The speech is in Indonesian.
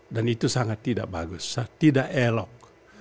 dan itu sangat tidak bagus tidak elok